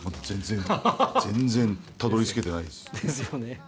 全然たどりつけてないです。ですよね。